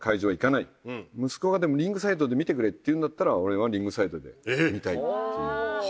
息子がリングサイドで見てくれって言うんだったら俺はリングサイドで見たいっていう。